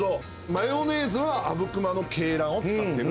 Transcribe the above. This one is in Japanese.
マヨネーズは阿武隈の鶏卵を使ってる。